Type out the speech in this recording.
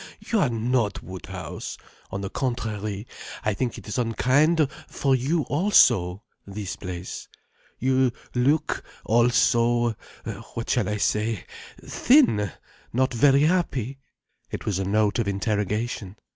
You are not Woodhouse. On the contrary, I think it is unkind for you also, this place. You look—also—what shall I say—thin, not very happy." It was a note of interrogation.